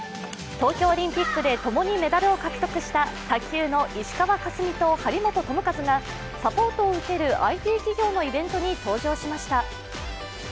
東京オリンピックでともにメダルを獲得した卓球の石川佳純と張本智和がサポートを受けるＩＴ企業のイベントに登場しました。